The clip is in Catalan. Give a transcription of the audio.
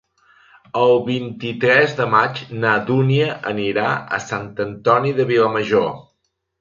El vint-i-tres de maig na Dúnia anirà a Sant Antoni de Vilamajor.